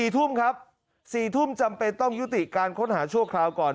๔ทุ่มครับ๔ทุ่มจำเป็นต้องยุติการค้นหาชั่วคราวก่อน